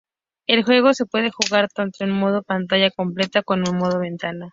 El juego se puede jugar tanto en modo pantalla completa como en modo ventana.